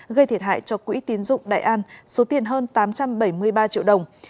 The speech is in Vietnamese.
gây thiệt hại cho quỹ tiến dụng đại an số tiền hơn tám trăm bảy mươi ba triệu đồng